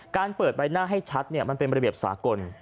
การเปิดใบหน้าให้ชัดมันเป็นระเบียบสากล